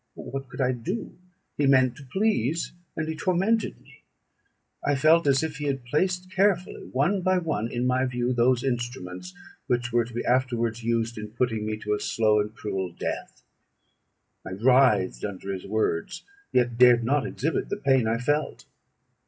What could I do? He meant to please, and he tormented me. I felt as if he had placed carefully, one by one, in my view those instruments which were to be afterwards used in putting me to a slow and cruel death. I writhed under his words, yet dared not exhibit the pain I felt.